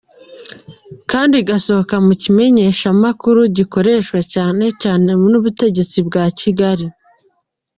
Kandi igasohoka mu kimenyeshamakuru gikoreshwa cyane cyane n’ubutegetsi bwa Kigali.